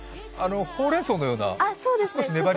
ほうれんそうのような、少し粘り気のあるのね？